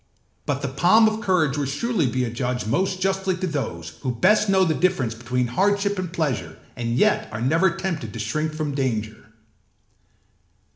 But the palm of courage will surely be adjudged most justly to those, who best know the difference between hardship and pleasure and yet are never tempted to shrink from danger.